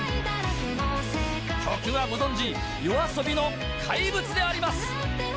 曲はご存じＹＯＡＳＯＢＩの『怪物』であります。